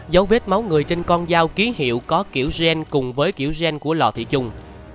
dấu vết máu người trên con dao ký hiệu có kiểu gen cùng với kiểu gen của lò thị trung